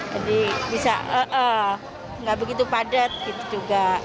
jadi bisa nggak begitu padat gitu juga